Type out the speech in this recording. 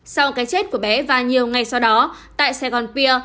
sau cái chết của bé và nhiều ngày sau đó tại saigon pier